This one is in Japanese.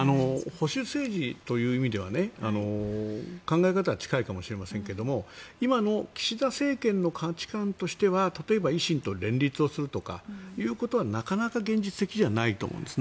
保守政治という意味では考え方は近いかもしれませんが今の岸田政権の価値観としては例えば維新と連立をするとかってことはなかなか現実的じゃないと思うんです。